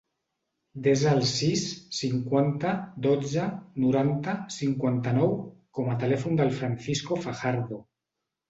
Desa el sis, cinquanta, dotze, noranta, cinquanta-nou com a telèfon del Francisco Fajardo.